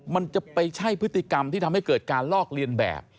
มันจะไปใช่พฤติกรรมที่ทำให้เกิดการลอกเลียนแบบ